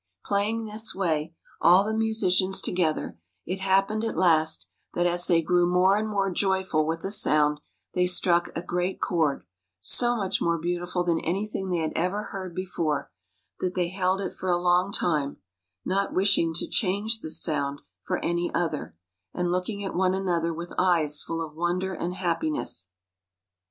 Playing in this way, all the musicians together, it happened at last that, as they grew more and more joyful with the sound, they struck a great chord, so much more beautiful than anything they had ever heard before, that they held it for a long time, not wishing to change this sound for any other, and looking at one another with eyes' full of wonder and happiness.